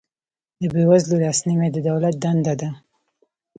د بې وزلو لاسنیوی د دولت دنده ده